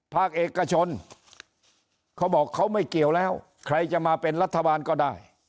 ภาคเอกชนเขาบอกเขาไม่เกี่ยวแล้วใครจะมาเป็นรัฐบาลก็ได้